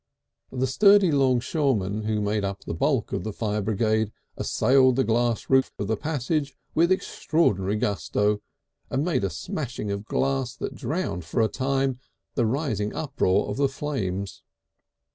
The sturdy 'longshoremen, who made up the bulk of the fire brigade, assailed the glass roof of the passage with extraordinary gusto, and made a smashing of glass that drowned for a time the rising uproar of the flames.